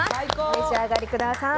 お召し上がりください。